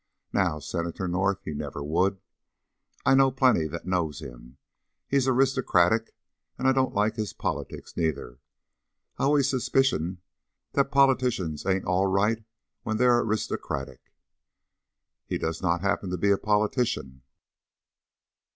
Now Senator North, he never would: I know plenty that knows him. He's aristocratic; and I don't like his politics, neither. I allus suspicion that politicians ain't all right when they're aristocratic." "He does not happen to be a politician."